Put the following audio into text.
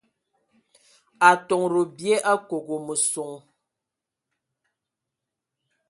Atondo bye Akogo meson.